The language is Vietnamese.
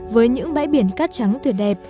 với những bãi biển cắt trắng tuyệt đẹp